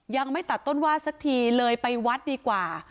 ยังไม่ตัดต้นว่าสักทีเลยไปวัดดีกว่า